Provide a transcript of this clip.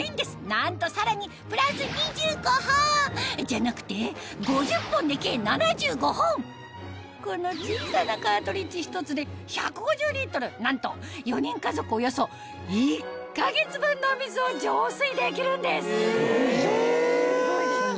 なんとさらにプラス２５本じゃなくて５０本で計７５本この小さなカートリッジ１つで１５０なんと４人家族およそ１か月分のお水を浄水できるんですすごいじゃん！